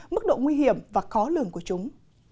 mức độ nguy hiểm và khó lường của chúng